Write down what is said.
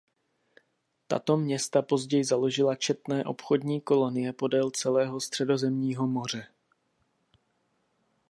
Tato města později založila četné obchodní kolonie podél celého Středozemního moře.